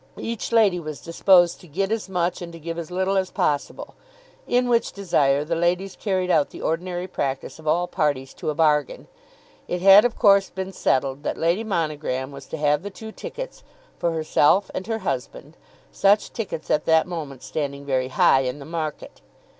Each lady was disposed to get as much and to give as little as possible, in which desire the ladies carried out the ordinary practice of all parties to a bargain. It had of course been settled that Lady Monogram was to have the two tickets, for herself and her husband, such tickets at that moment standing very high in the market.